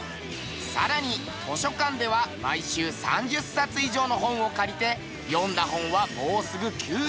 更に図書館では毎週３０冊以上の本を借りて読んだ本は。